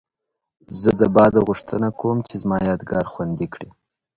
زه د باده غوښتنه کوم چي زما یادګار خوندي کړي.